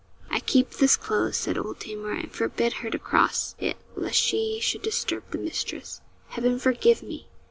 'I keep this closed,' said old Tamar, 'and forbid her to cross it, lest she should disturb the mistress. Heaven forgive me!'